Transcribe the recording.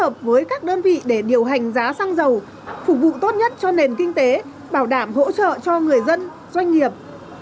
ngoài ra liên bộ sẽ tiếp tục phối hợp với các đơn vị để điều hành giá xăng dầu phục vụ tốt nhất cho nền kinh tế bảo đảm hỗ trợ cho người dân doanh nghiệp